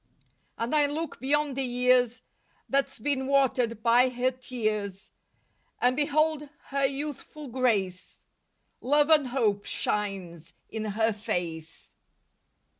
And I look beyond the years That's been watered by her tears And behold her youthful grace, Love and hope shines in her face.